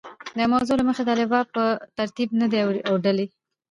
د موضوع له مخې د الفبا په ترتیب نه دي اوډلي.